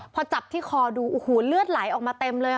พอจับที่คอดูโอ้โหเลือดไหลออกมาเต็มเลยค่ะ